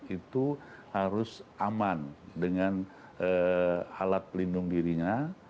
itu harus aman dengan alat pelindung dirinya